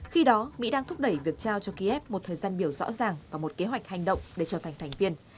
khi đó mỹ đang thúc đẩy việc trao cho kiev một thời gian biểu rõ ràng và một kế hoạch hành động để trở thành thành viên